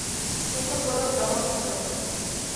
Шукыж годым тымык йӱдым